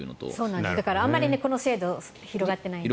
だからあまりこの制度広がってない。